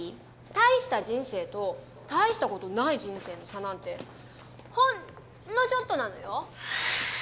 大した人生と大した事ない人生の差なんてほんのちょっとなのよ。